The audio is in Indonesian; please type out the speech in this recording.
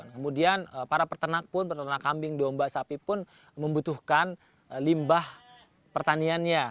kemudian para peternak pun peternak kambing domba sapi pun membutuhkan limbah pertaniannya